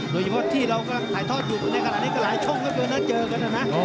โดยเฉพาะที่เรากำลังถ่ายทอดอยู่แต่ในการณ์นี้ก็หลายช่องให้ไปเจอกันแล้วน่ะ